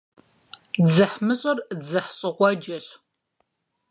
ДзыхьмыщӀыр дзыхьщӀыгъуэджэщ.